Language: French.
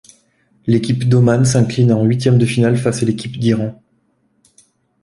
L'équipe d'Oman s'incline en huitièmes de finale face à l'équipe d'Iran.